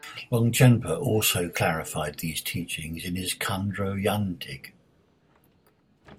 Longchenpa also clarified these teachings in his Khandro Yangtig.